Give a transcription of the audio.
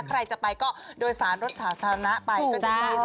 ใครจะไปก็โดยสารรถสาธารณะไปก็จะขึ้น